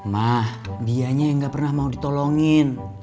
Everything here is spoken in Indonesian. ma dia nya yang gak pernah mau ditolongin